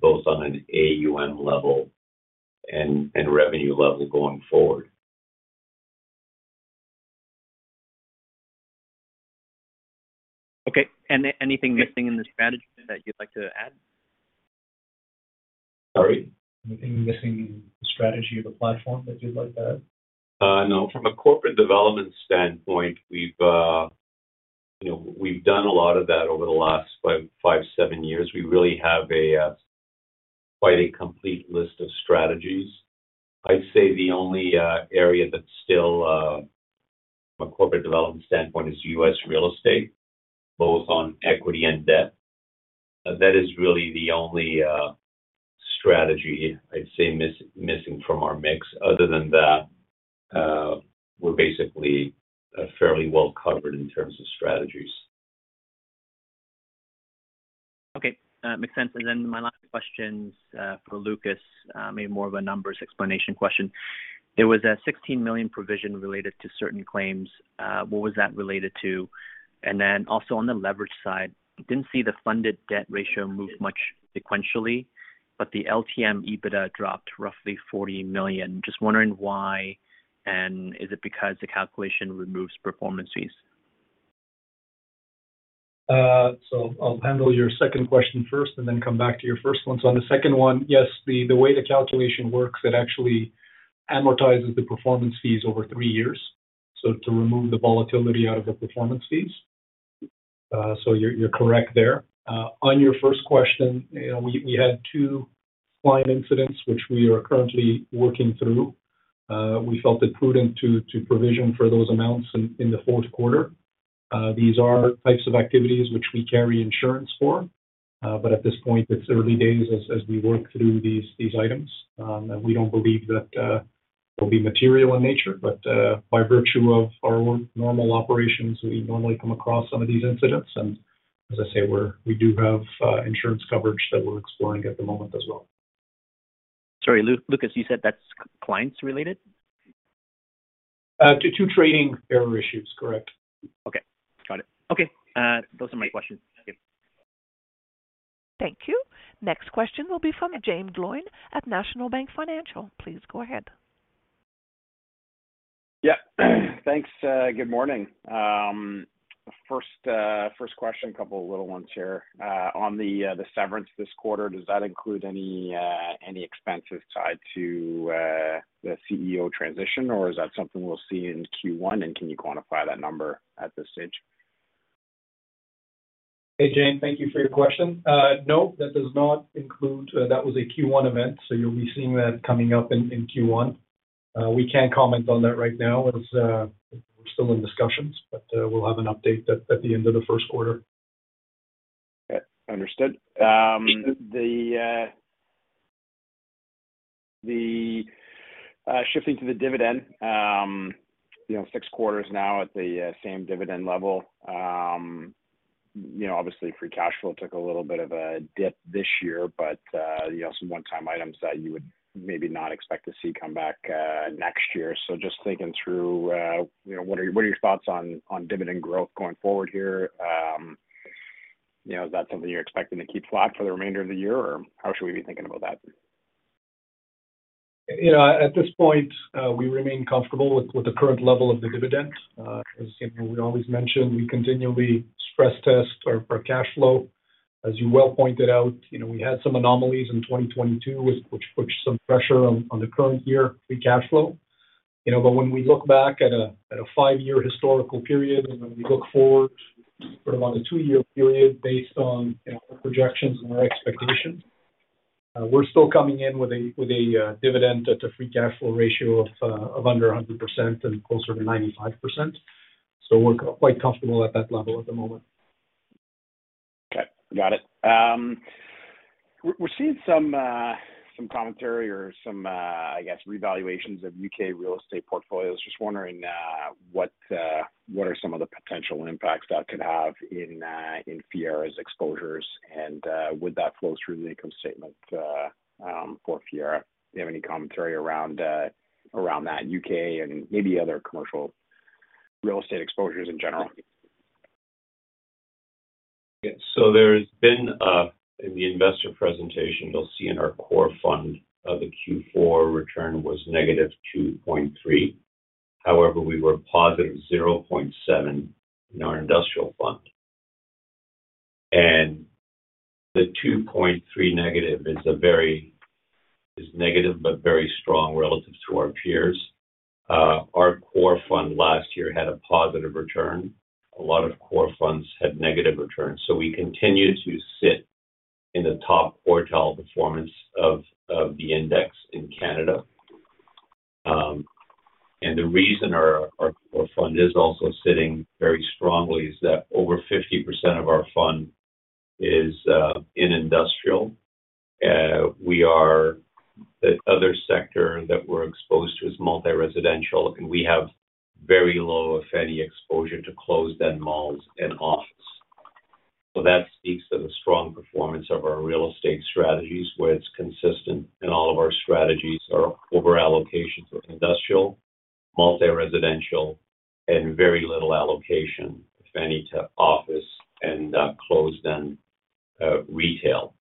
both on an AUM level and revenue level going forward. Okay. Anything missing in the strategy that you'd like to add? Sorry? Anything missing in the strategy of the platform that you'd like to add? No. From a corporate development standpoint, we've, you know, we've done a lot of that over the last five, seven years. We really have a, quite a complete list of strategies. I'd say the only area that's still from a corporate development standpoint is U.S. real estate, both on equity and debt. That is really the only strategy I'd say missing from our mix. Other than that, we're basically fairly well covered in terms of strategies. Okay. makes sense. My last questions for Lucas, maybe more of a numbers explanation question. There was a 16 million provision related to certain claims. What was that related to? Also on the leverage side, didn't see the funded debt ratio move much sequentially, but the LTM EBITDA dropped roughly 40 million. Just wondering why, and is it because the calculation removes performance fees? I'll handle your second question first and then come back to your first one. On the second one, yes, the way the calculation works, it actually amortizes the performance fees over three years. To remove the volatility out of the performance fees. You're correct there. On your first question, you know, we had two client incidents which we are currently working through. We felt it prudent to provision for those amounts in the fourth quarter. These are types of activities which we carry insurance for. At this point, it's early days as we work through these items. We don't believe that they'll be material in nature. By virtue of our normal operations, we normally come across some of these incidents. As I say, we do have insurance coverage that we're exploring at the moment as well. Sorry, Lucas, you said that's clients related? Two trading error issues, correct. Okay. Got it. Okay. Those are my questions. Thank you. Thank you. Next question will be from Jaeme Gloyn at National Bank Financial. Please go ahead. Thanks. Good morning. First question, a couple of little ones here. On the severance this quarter, does that include any expenses tied to the CEO transition, or is that something we'll see in Q1, and can you quantify that number at this stage? Hey, Jaeme. Thank you for your question. No, that does not include. That was a Q1 event. You'll be seeing that coming up in Q1. We can't comment on that right now as we're still in discussions, but we'll have an update at the end of the first quarter. Okay. Understood. The shifting to the dividend, you know, six quarters now at the same dividend level. You know, obviously, free cash flow took a little bit of a dip this year but, you know, some one-time items that you would maybe not expect to see come back, next year. Just thinking through, you know, what are your thoughts on dividend growth going forward here? You know, is that something you're expecting to keep flat for the remainder of the year, or how should we be thinking about that? You know, at this point, we remain comfortable with the current level of the dividend. As you know, we always mention, we continually stress test our cash flow. As you well pointed out, you know, we had some anomalies in 2022 which put some pressure on the current year free cash flow. You know, when we look back at a five-year historical period, and when we look forward sort of on a two-year period based on, you know, our projections and our expectations, we're still coming in with a dividend at a free cash flow ratio of under 100% and closer to 95%. We're quite comfortable at that level at the moment. Okay. Got it. We're seeing some commentary or some, I guess, revaluations of U.K. real estate portfolios. Just wondering what are some of the potential impacts that could have in Fiera's exposures, and would that flow through the income statement for Fiera? Do you have any commentary around that U.K. and maybe other commercial real estate exposures in general? There's been in the investor presentation, you'll see in our core fund, the Q4 return was negative 2.3%. However, we were positive 0.7% in our industrial fund. The 2.3% negative is negative, but very strong relative to our peers. Our core fund last year had a positive return. A lot of core funds had negative returns. We continue to sit in the top quartile performance of the index in Canada. The reason our core fund is also sitting very strongly is that over 50% of our fund is in industrial. The other sector that we're exposed to is multi-residential, and we have very low, if any, exposure to closed-end malls and office. That speaks to the strong performance of our real estate strategies, where it's consistent in all of our strategies, our over-allocations of industrial, multi-residential, and very little allocation, if any, to office and closed-end retail.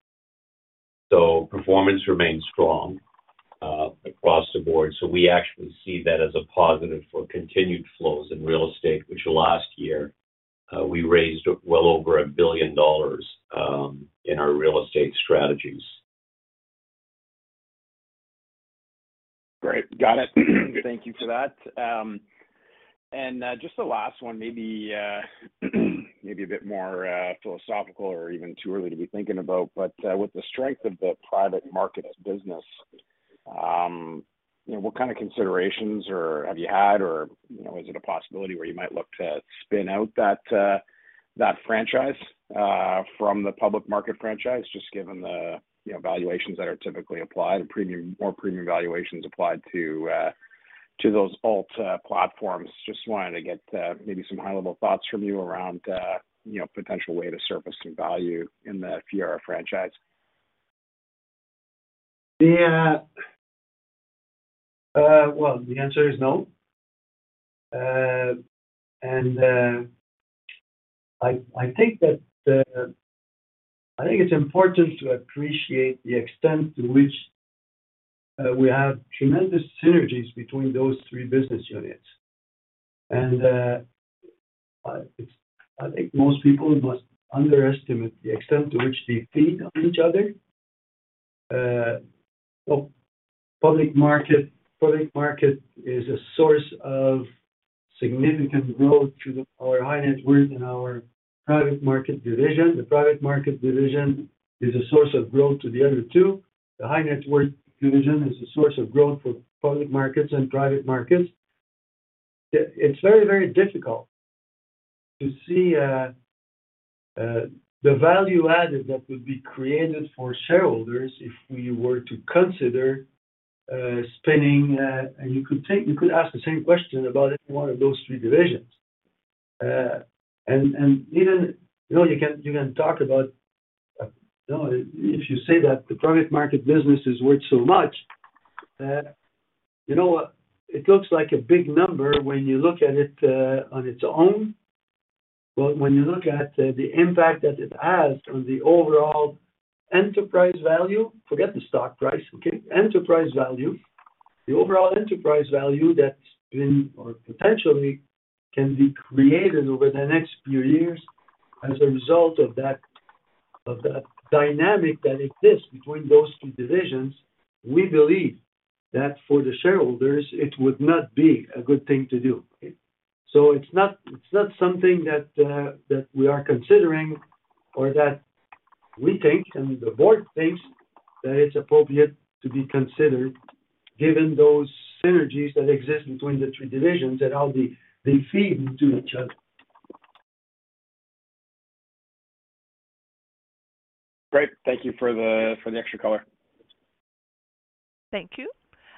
Performance remains strong across the board. We actually see that as a positive for continued flows in real estate, which last year, we raised well over 1 billion dollars in our real estate strategies. Great. Got it. Thank you for that. And, just the last one, maybe a bit more philosophical or even too early to be thinking about, but, with the strength of the private market as business, you know, what kind of considerations or have you had or, you know, is it a possibility where you might look to spin out that franchise, from the public market franchise, just given the, you know, valuations that are typically applied, premium valuations applied to those alt platforms? Just wanted to get, maybe some high-level thoughts from you around, you know, potential way to surface some value in the Fiera franchise? Well, the answer is no. I think that, I think it's important to appreciate the extent to which we have tremendous synergies between those three business units. It's I think most people must underestimate the extent to which they feed on each other. Public market is a source of significant growth to our high net worth and our private market division. The private market division is a source of growth to the other two. The high net worth division is a source of growth for public markets and private markets. It's very, very difficult to see the value added that would be created for shareholders if we were to consider spinning. You could ask the same question about any one of those three divisions. Even, you know, you can talk about, you know, if you say that the private market business is worth so much, you know, it looks like a big number when you look at it, on its own. When you look at, the impact that it has on the overall enterprise value, forget the stock price, okay. Enterprise value, the overall enterprise value that's been or potentially can be created over the next few years as a result of that dynamic that exists between those two divisions, we believe that for the shareholders, it would not be a good thing to do. It's not something that we are considering or that we think and the board thinks that it's appropriate to be considered, given those synergies that exist between the three divisions and how they feed into each other. Great. Thank you for the extra color. Thank you.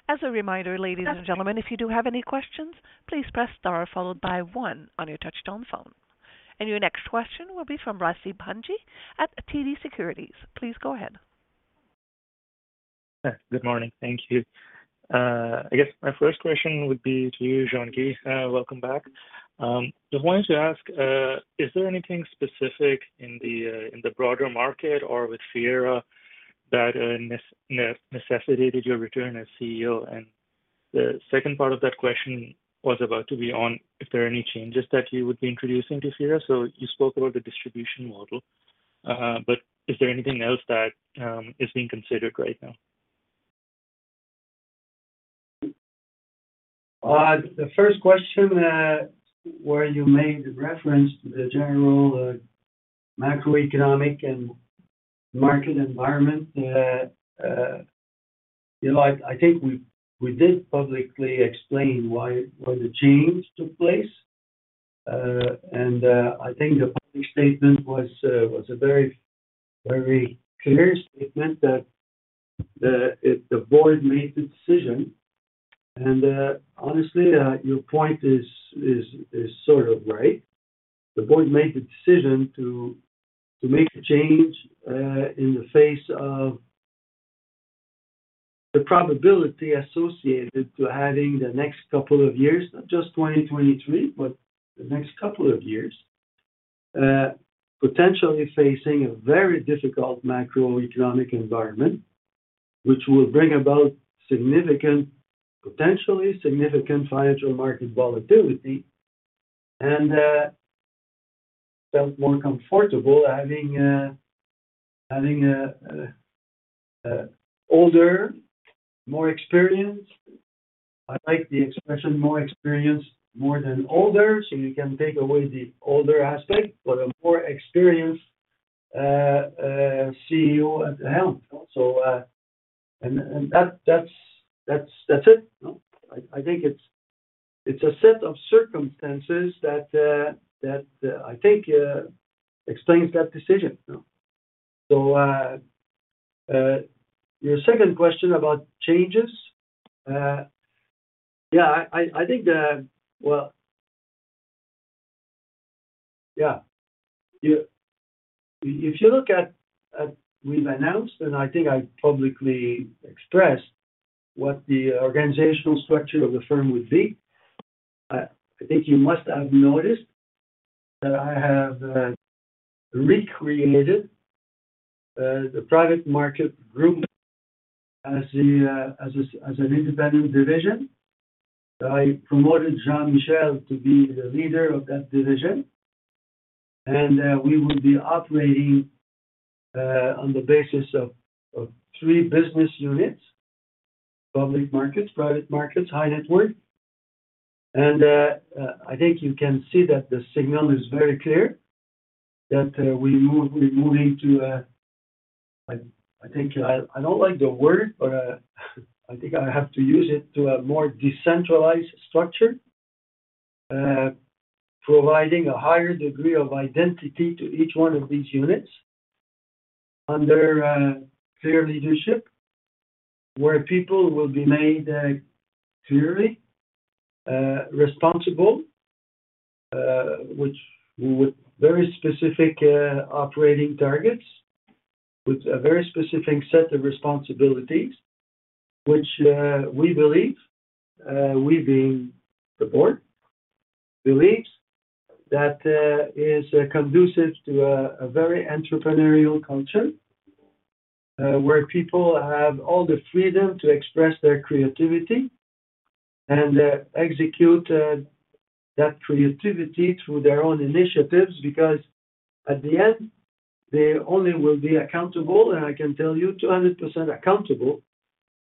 As a reminder, ladies and gentlemen, if you do have any questions, please press star followed by one on your touchtone phone. Your next question will be from Rasib Bhanji at TD Securities. Please go ahead. Good morning. Thank you. I guess my first question would be to you, Jean-Guy. Welcome back. Just wanted to ask, is there anything specific in the broader market or with Fiera that necessitated your return as CEO? The second part of that question was about to be on if there are any changes that you would be introducing to Fiera. You spoke about the distribution model, but is there anything else that is being considered right now? The first question, where you made reference to the general macroeconomic and market environment, you know, I think we did publicly explain why the change took place. I think the public statement was a very, very clear statement that the board made the decision. Honestly, your point is sort of right. The board made the decision to make a change, in the face of the probability associated to having the next couple of years, not just 2023, but the next couple of years, potentially facing a very difficult macroeconomic environment, which will bring about potentially significant financial market volatility. Felt more comfortable having a older, more experienced. I like the expression more experienced more than older, you can take away the older aspect, but a more experienced CEO at the helm. That's it. I think it's a set of circumstances that I think explains that decision. Your second question about changes, yeah, I think that. Well, yeah. If you look at, we've announced, and I think I publicly expressed what the organizational structure of the firm would be. I think you must have noticed that I have recreated the private market group as an independent division. I promoted Jean Michel to be the leader of that division, we will be operating on the basis of three business units, public markets, private markets, high net worth. I think you can see that the signal is very clear that we're moving to, I think I don't like the word, but I think I have to use it to a more decentralized structure, providing a higher degree of identity to each one of these units under clear leadership, where people will be made clearly responsible, which with very specific operating targets, with a very specific set of responsibilities, which we believe, we being the board, believes that is conducive to a very entrepreneurial culture, where people have all the freedom to express their creativity and execute that creativity through their own initiatives, because at the end, they only will be accountable, and I can tell you 200% accountable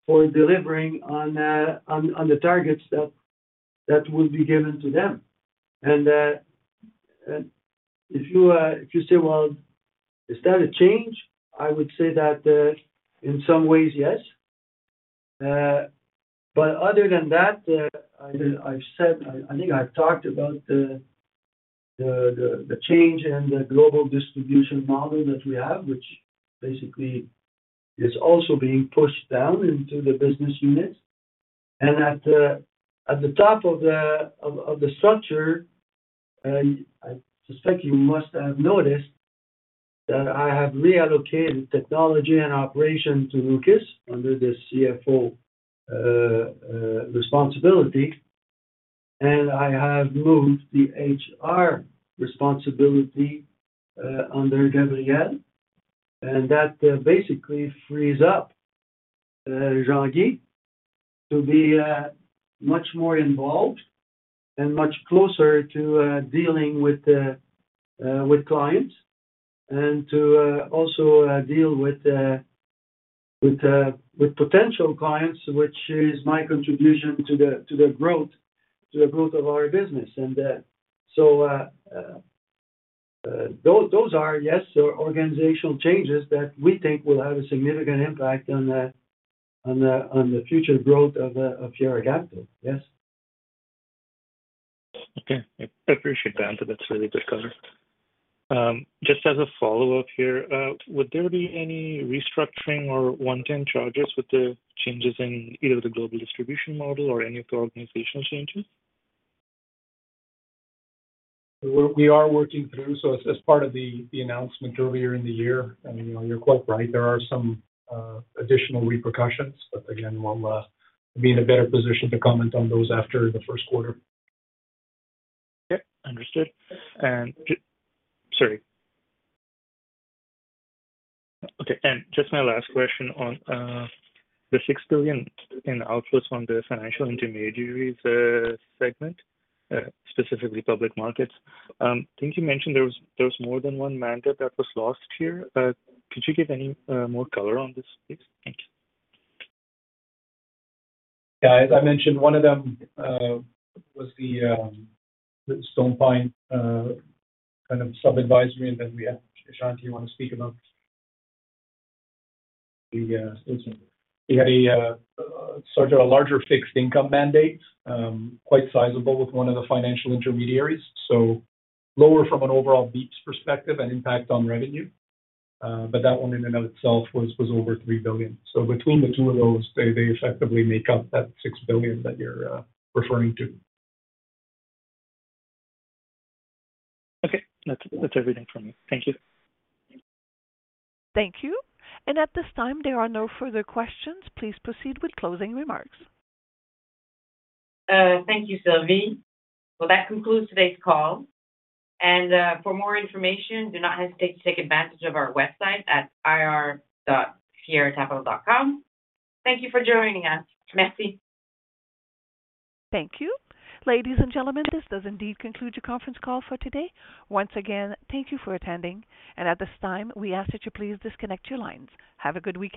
for delivering on the targets that will be given to them. If you, if you say, "Well, is that a change?" I would say that in some ways, yes. But other than that, I've said, I think I've talked about the change in the global distribution model that we have, which basically is also being pushed down into the business units. At the top of the structure, I suspect you must have noticed that I have reallocated technology and operation to Lucas under the CFO responsibility, and I have moved the HR responsibility under Gabriel. That basically frees up Jean-Guy to be much more involved and much closer to dealing with clients and to also deal with potential clients, which is my contribution to the growth of our business. Those are yes so organizational changes that we think will have a significant impact on the future growth of Fiera Capital. Yes. Okay. I appreciate the answer. That's really good coverage. Just as a follow-up here, would there be any restructuring or one-time charges with the changes in either the global distribution model or any of the organizational changes? We are working through. As part of the announcement earlier in the year, I mean, you know, you're quite right. There are some additional repercussions, but again, we'll be in a better position to comment on those after the first quarter. Yeah. Understood. Sorry. Okay. Just my last question on the 6 billion in outflows from the financial intermediaries segment, specifically public markets. I think you mentioned there was more than one mandate that was lost here. Could you give any more color on this, please? Thank you. Yeah. As I mentioned, one of them was the StonePine kind of sub-advisory. Then we have, Jean, do you want to speak about the second one? We had a, sort of a larger fixed income mandate, quite sizable with one of the financial intermediaries. Lower from an overall BPS perspective and impact on revenue. That one in and of itself was over 3 billion. Between the two of those, they effectively make up that 6 billion that you're referring to. Okay. That's everything from me. Thank you. Thank you. At this time, there are no further questions. Please proceed with closing remarks. Thank you, Sylvie. Well, that concludes today's call. For more information, do not hesitate to take advantage of our website at ir.fieracapital.com. Thank you for joining us. Merci. Thank you. Ladies and gentlemen, this does indeed conclude your conference call for today. Once again, thank you for attending, and at this time, we ask that you please disconnect your lines. Have a good week.